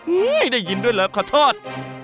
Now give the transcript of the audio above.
หื้อได้ยินด้วยละขอโทษ